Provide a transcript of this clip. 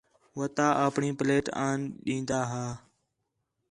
وتا آپݨی پلیٹ آن دیندا ہیں